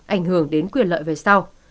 ảnh hưởng đến quyền lợi về sau